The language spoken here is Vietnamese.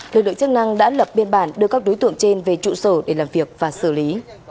lực lượng chức năng đã lập biên bản đưa các đối tượng trên về trụ sở để làm việc và xử lý